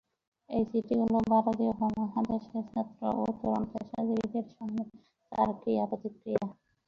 এই চিঠিগুলো ভারতীয় উপমহাদেশের ছাত্র ও তরুণ পেশাজীবীদের সঙ্গে তাঁর ক্রিয়া প্রতিক্রিয়া।